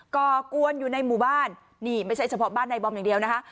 ก่อกวนอยู่ในหมู่บ้านนี่ไม่ใช่เฉพาะบ้านในบอมอย่างเดียวนะคะ